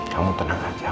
kamu tenang aja